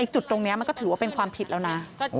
จุดตรงนี้มันก็ถือว่าเป็นความผิดแล้วนะ